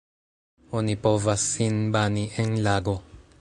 Oni povas sin bani en lago.